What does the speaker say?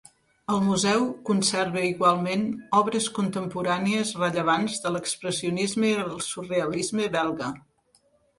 El museu conserva igualment obres contemporànies rellevants de l'expressionisme i el surrealisme belga.